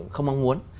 không mong muốn